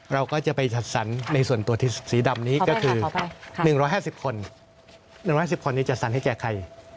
เราก็จะไปจัดสรรในส่วนตัวที่สีดำนี้ก็คือ๑๕๐คน๑๕๐คนนี้จัดสรรให้แก่ใคร